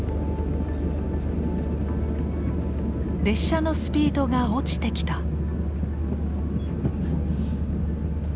列車のスピードが落ちてきた。